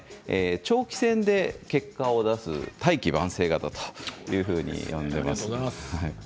長期戦で結果を出す大器晩成型というふうに呼んでいます。